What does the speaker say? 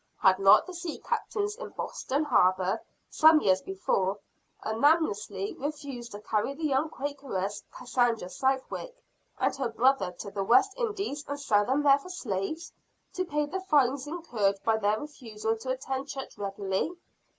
Had not the sea captains in Boston Harbor, some years before, unanimously refused to carry the young Quakeress, Cassandra Southwick, and her brother, to the West Indies and sell them there for slaves, to pay the fines incurred by their refusal to attend church regularly?